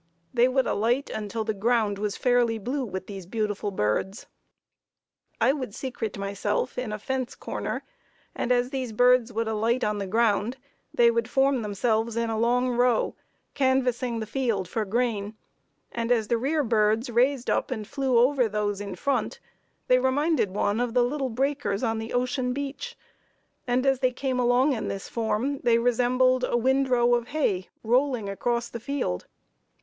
They would alight until the ground was fairly blue with these beautiful birds. I would secrete myself in a fence corner, and as these birds would alight on the ground they would form themselves in a long row, canvassing the field for grain, and as the rear birds raised up and flew over those in front, they reminded one of the little breakers on the ocean beach, and as they came along in this form, they resembled a windrow of hay rolling across the field.